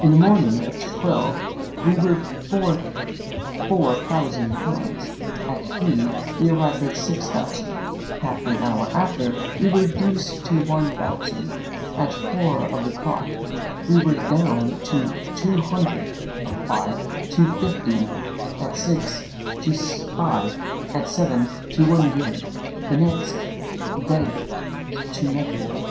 In the morning at twelve we were worth four thousand pounds; at three, we were arrived at six thousand; half an hour after, we were reduced to one thousand; at four of the clock, we were down to two hundred; at five, to fifty; at six, to five; at seven, to one guinea; the next bet to nothing.